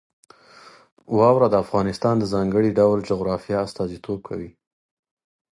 واوره د افغانستان د ځانګړي ډول جغرافیه استازیتوب کوي.